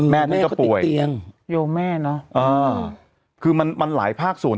แม่แม่เขาติดเตียงโยงแม่เนอะอ่าคือมันมันหลายภาคส่วน